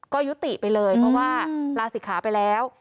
ก็ยุติไปเลยเพราะว่าลาศิกขาไปแล้ว